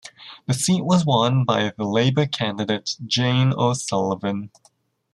The seat was won by the Labour Party candidate Jan O'Sullivan.